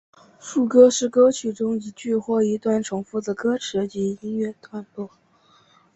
副歌是歌曲中一句或一段重复的歌词及音乐段落。